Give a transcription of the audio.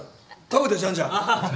食べてじゃんじゃん。